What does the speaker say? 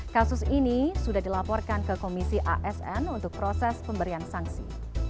kasus ini sudah dilaporkan ke komisi asn untuk proses pemberian sanksi